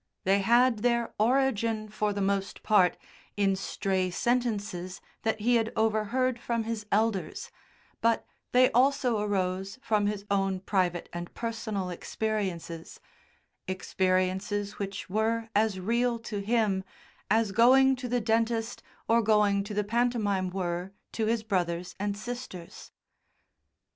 They had their origin for the most part in stray sentences that he had overheard from his elders, but they also arose from his own private and personal experiences experiences which were as real to him as going to the dentist or going to the pantomime were to his brothers and sisters.